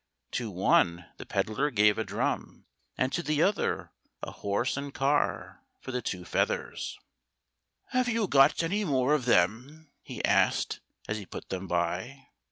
To one the pedlar gave a drum, and to the other a horse and car for the two feathers. "Have you got any more of them?" he asked, as he put them by.